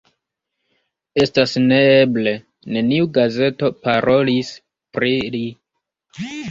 Estas neeble: neniu gazeto parolis pri li.